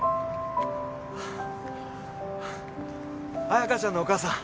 ・彩香ちゃんのお母さん。